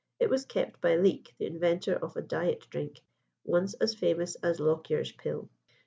It was kept by Leake, the inventor of a "diet drink" once as famous as Lockyer's pill.